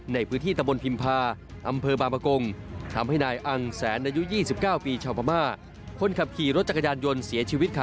ในพื้นที่ตำนพิมภาอำเภอบางปกลง